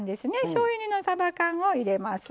しょうゆ煮のさば缶を入れます。